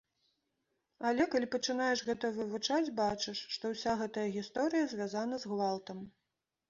Але калі пачынаеш гэта вывучаць, бачыш, што ўся гэтая гісторыя звязана з гвалтам.